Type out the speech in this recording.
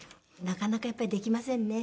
なかなかやっぱりできませんね。